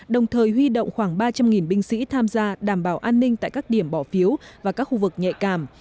đồng thời huy động khoảng ba trăm linh binh sĩ tham gia đảm bảo an ninh tại các điểm bỏ phiếu và các khu vực nhạy cảm